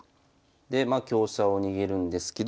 でまあ香車を逃げるんですけど。